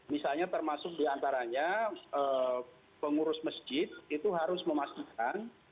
misalnya termasuk diantaranya pengurus masjid itu harus memastikan